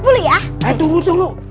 eh tunggu tunggu